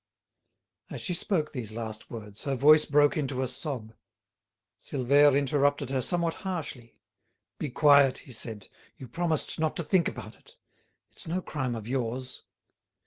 As she spoke these last words, her voice broke into a sob. Silvère interrupted her somewhat harshly. "Be quiet," he said. "You promised not to think about it. It's no crime of yours.